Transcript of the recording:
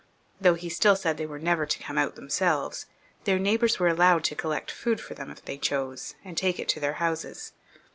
Though he still said they were never to come out themselves, their neighbours were allowed to collect food for them if they chose, and take it to their houses.